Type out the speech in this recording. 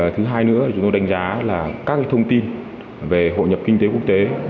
thứ hai nữa chúng tôi đánh giá là các thông tin về hội nhập kinh tế quốc tế